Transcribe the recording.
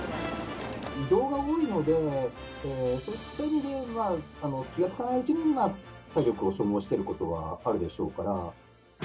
移動が多いので、そういった意味で、気がつかないうちに体力を消耗していることはあるでしょうから。